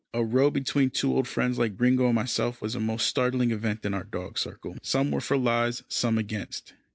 A row between two old friends like Gringo and myself was a most startling event in our dog circle. Some were for lies, some against.